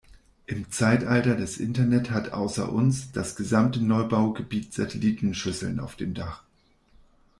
Im Zeitalter des Internet hat außer uns, das gesamte Neubaugebiet Satellitenschüsseln auf dem Dach.